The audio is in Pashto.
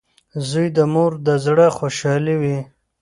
• زوی د مور د زړۀ خوشحالي وي.